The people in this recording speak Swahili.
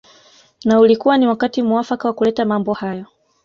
Na ulikuwa ni wakati muafaka wa kuleta mambo hayo